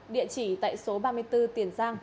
địa chỉ tại số ba mươi bốn tiền giang